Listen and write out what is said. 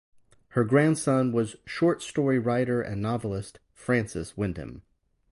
Her grandson was short story-writer and novelist Francis Wyndham.